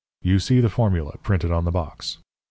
You see the formula, printed on the box.